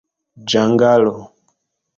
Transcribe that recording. ĝangalo